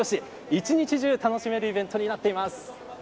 一日中楽しめるイベントになっています。